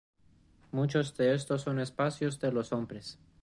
Muchos de estos son espacios de los hombres.